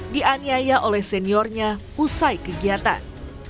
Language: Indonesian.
dianiaya oleh seniornya usai kegiatan